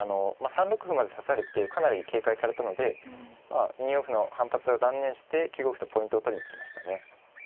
３六歩まで指されてかなり警戒されたので２四歩の反発は断念して９五歩とポイントを取りに行きましたね。